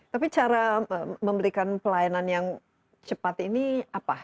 tapi cara memberikan pelayanan yang cepat ini apa